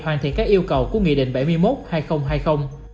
hoàn thiện các yêu cầu của nghị định bảy mươi một hai nghìn hai mươi